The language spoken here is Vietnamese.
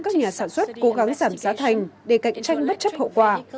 các nhà sản xuất cố gắng giảm giá thành để cạnh tranh bất chấp hậu quả